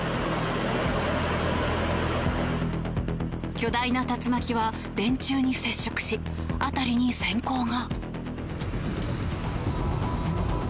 巨大な竜巻は電柱に接触し辺りに閃光が。